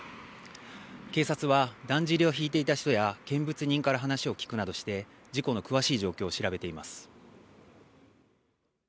警察はだんじりを引いていた人や見物人から話を聞くなどして事故の詳しい状況を調べています。